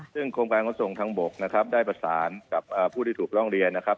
ซึ่งกรมการขนส่งทางบกนะครับได้ประสานกับผู้ที่ถูกร้องเรียนนะครับ